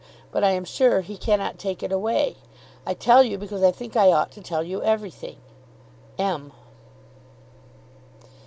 But I am sure he cannot take it away. I tell you, because I think I ought to tell you everything. M.